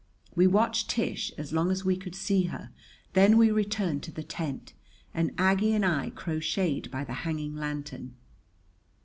We watched Tish as long as we could see her; then we returned to the tent, and Aggie and I crocheted by the hanging lantern.